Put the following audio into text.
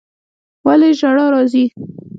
ولي ژړا راځي